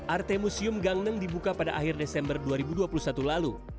arte museum gangneng dibuka pada akhir desember dua ribu dua puluh satu lalu